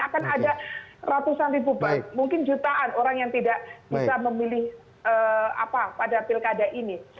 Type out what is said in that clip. akan ada ratusan ribu mungkin jutaan orang yang tidak bisa memilih pada pilkada ini